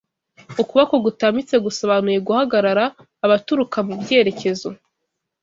ukuboko gutambitse gusobanuye guhagarara abaturuka mu byerekezo